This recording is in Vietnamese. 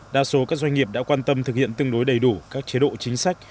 đa số các doanh nghiệp đã quan tâm thực hiện tương đối đầy đủ các chế độ chính sách